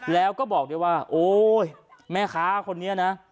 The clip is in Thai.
แล้วก็บอกด้วยว่าโอ๊ยแม่ค้าคนนี้นะ